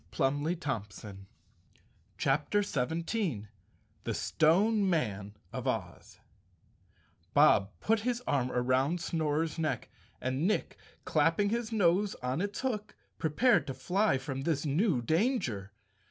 220 CHAPTER 17 The Stone Mein of Oz B OB put his arm around Snorer's neck, and Nick, clapping his nose on its hook, prepared to fly from this new danger.